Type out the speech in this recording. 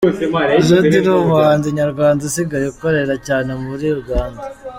Jody: Ni umuhanzi nyarwanda usigaye akorera cyane muri Uganda.